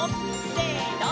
せの！